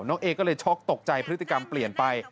เอก็เลยช็อกตกใจพฤติกรรมเปลี่ยนไป